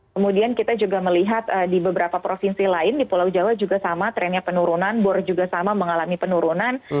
kemudian kita juga melihat di beberapa provinsi lain di pulau jawa juga sama trennya penurunan bor juga sama mengalami penurunan